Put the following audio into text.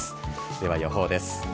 では、予報です。